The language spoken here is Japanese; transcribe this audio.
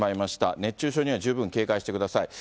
熱中症には十分警戒してください。